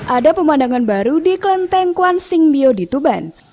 ada pemandangan baru di kelenteng kuang sing biu di tuban